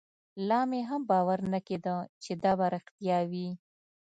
لا مې هم باور نه کېده چې دا به رښتيا وي.